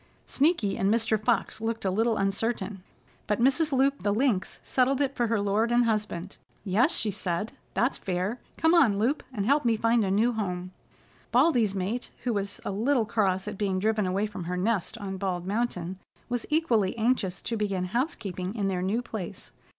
Sneaky and Mr. Fox looked a little uncertain, but Mrs. Loup the Lynx settled it for her lord and husband. "Yes," she said, "that's fair. Come on, Loup, and help me find a new home." Baldy's mate, who was a little cross at being driven away from her nest on Bald Mountain, was equally anxious to begin housekeeping in their new place.